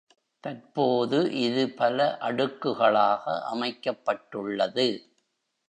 தற்போது இது பல அடுக்குகளாக அமைக்கப்பட்டுள்ளது.